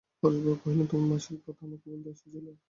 পরেশবাবু কহিলেন, তুমি তোমার মাসির কথা আমাকে বলতে এসেছিলে?